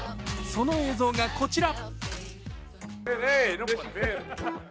その映像がこちら。